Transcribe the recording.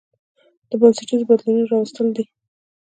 د بنسټيزو بدلونونو راوستل دي